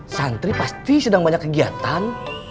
santri pasti sedang banyak kegiatan